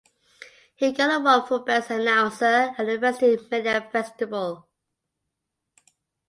He got the award for best Announcer at the university media festival.